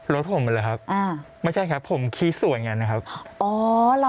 รถผมเหรอครับไม่ใช่ครับผมคิดส่วนอย่างนั้นนะครับ